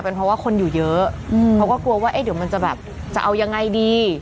เพราะว่าคนอยู่เยอะเขาก็กลัวว่าเอ๊ะเดี๋ยวมันจะแบบจะเอายังไงดี